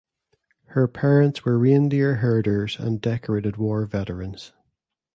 Her parents were reindeer herders and decorated war veterans.